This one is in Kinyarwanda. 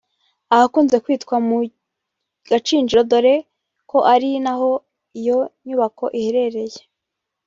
ahakunze kwitwa mu Gakinjiro dore ko ari naho iyo nyubako iherereye